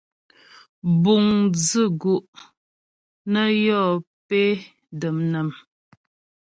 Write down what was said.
Buŋ dzʉ̂ gu' nə yɔ́ pé dəm nám.